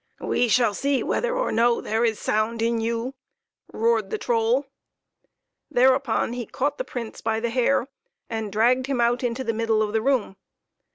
" We shall see whether or no there is sound in you !" roared the troll. Thereupon he caught the Prince by the hair and dragged him out into the middle of the room.